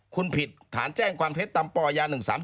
คุณผิดฐานแจ้งความเท็จตามปย๑๓๓